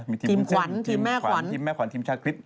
มีทีมขวัญทีมแม่ขวัญทีมชาวคริสต์